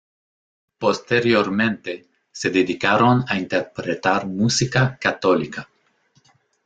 Posteriormente, se dedicaron a interpretar música católica.